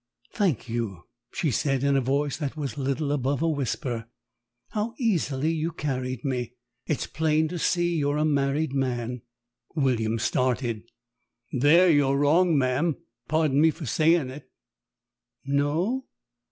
"Thank you," she said in a voice that was little above a whisper. "How easily you carried me. It's plain to see you're a married man." William started. "There you're wrong, ma'am, pardon me for sayin' it." "No?